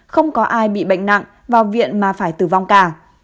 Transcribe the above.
không có ai bị bệnh nặng vào viện mà phải tử vong cả